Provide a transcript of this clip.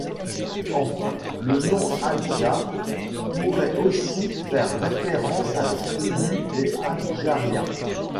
Enfin, le nom Hadjar pourrait aussi faire référence à la tribu des Hadjaria.